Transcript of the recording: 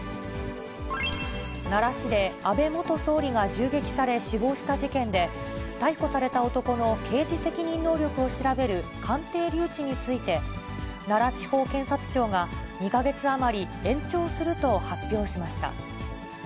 奈良市で安倍元総理が銃撃され、死亡した事件で、逮捕された男の刑事責任能力を調べる鑑定留置について、奈良地方検察庁が２か月余り延長すると発表しました。